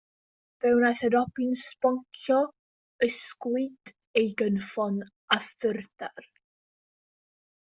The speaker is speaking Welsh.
Fe wnaeth y robin sboncio, ysgwyd ei gynffon a thrydar.